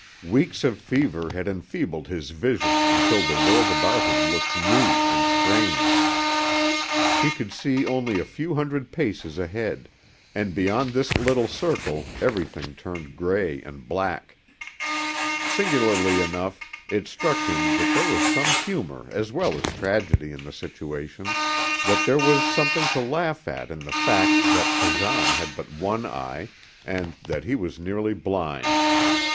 Weeks of fever had enfeebled his vision until the world about him looked new and strange. He could see only a few hundred paces ahead, and beyond this little circle everything turned gray and black. Singularly enough, it struck him that there was some humor as well as tragedy in the situation, that there was something to laugh at in the fact that Kazan had but one eye, and that he was nearly blind.